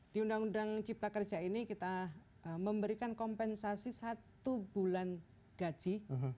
di undang undang cipta kerja ini kita memberikan kompensasi satu bulan gaji